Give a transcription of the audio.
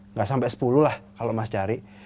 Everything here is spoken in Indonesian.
nggak sampai sepuluh lah kalau mas cari